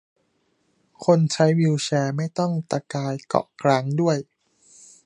คนใช้วีลแชร์ไม่ต้องตะกายเกาะกลางด้วย